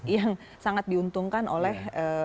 yang sangat diuntungkan oleh